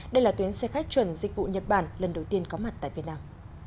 đây là tuyến xe khách chuẩn dịch vụ nhật bản lần đầu tiên có mặt tại việt nam